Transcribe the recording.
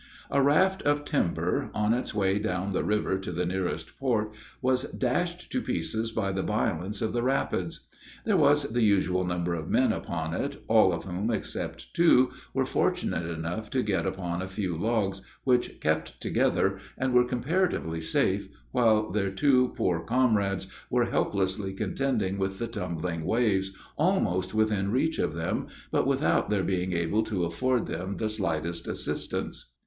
A raft of timber, on its way down the river to the nearest port, was dashed to pieces by the violence of the rapids. There was the usual number of men upon it, all of whom, except two, were fortunate enough to get upon a few logs, which kept together, and were comparatively safe, while their two poor comrades, were helplessly contending with the tumbling waves, almost within reach of them, but without their being able to afford them the slightest assistance.